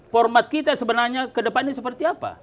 format kita sebenarnya kedepannya seperti apa